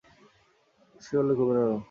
গ্রীষ্মকালে খুবই গরম!